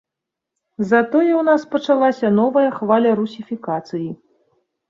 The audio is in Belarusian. Затое ў нас пачалася новая хваля русіфікацыі.